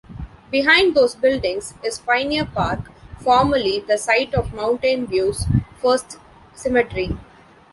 Behind those buildings is Pioneer Park, formerly the site of Mountain View's first cemetery.